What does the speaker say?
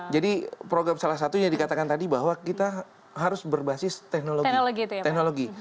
jadi program salah satunya dikatakan tadi bahwa kita harus berbasis teknologi